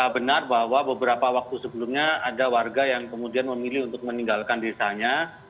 benar bahwa beberapa waktu sebelumnya ada warga yang kemudian memilih untuk meninggalkan desanya